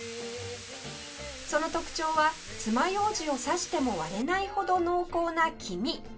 その特徴はつまようじを刺しても割れないほど濃厚な黄身